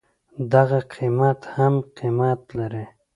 دغه قيمت هم قيمت لري.